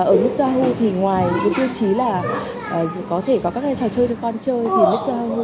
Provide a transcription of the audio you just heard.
ở mr ho thì ngoài những cái tiêu chí là có thể có các cái trò chơi cho con chơi